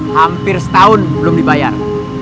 hampir setahun belum dibayar